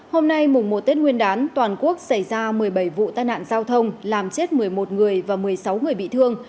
hôm nay mùng một tết nguyên đán toàn quốc xảy ra một mươi bảy vụ tai nạn giao thông làm chết một mươi một người và một mươi sáu người bị thương